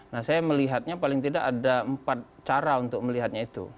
nah saya melihatnya paling tidak ada empat cara untuk melihatnya itu